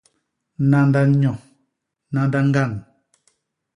Nanda nyo; nanda ñgan.